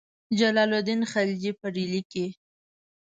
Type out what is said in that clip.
جلال الدین خلجي په ډهلي کې.